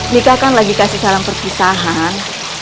nika kan lagi kasih salam perpisahan